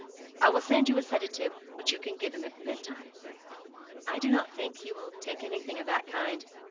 I will send you a sedative which you can give him at bedtime.' 'I do not think he will take anything of that kind.